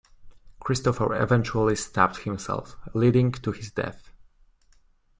Christopher eventually stabbed himself, leading to his death.